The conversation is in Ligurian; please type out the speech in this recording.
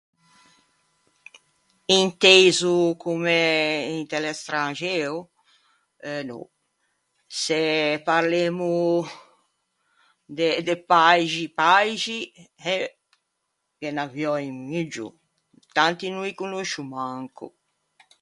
Inteiso comme inte l’estranxeo? Euh no. Se parlemmo de de paixi paixi, eh, ghe n’aviò un muggio. Tanti no î conoscio manco.